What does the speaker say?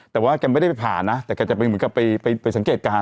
แต่ว่าแกไม่ได้ไปผ่านะแต่แกจะไปสังเกตการณ์